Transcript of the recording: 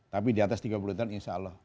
tapi diatas tiga puluh tahun insya allah